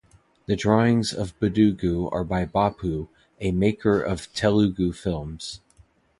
The drawings of Budugu are by Bapu, a maker of Telugu films.